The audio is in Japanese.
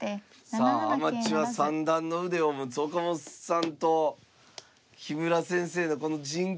さあアマチュア三段の腕を持つ岡本さんと木村先生のこの陣形。